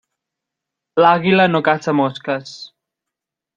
L'àguila no caça mosques.